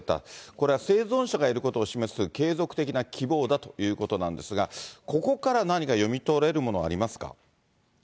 これは生存者がいることを示す継続的な希望だということなんですが、ここから何か読み取れるもの